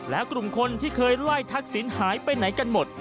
และกลุ่มคนที่เคยไล่ทักษิณหายไปไหนกันหมด